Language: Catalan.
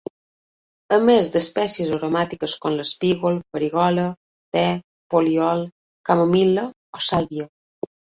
A més d'espècies aromàtiques com l'espígol, farigola, te, poliol, camamilla o sàlvia.